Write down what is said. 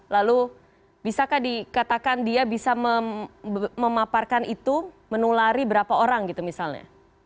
lalu bisakah dikatakan dia bisa memaparkan itu menulari berapa orang gitu misalnya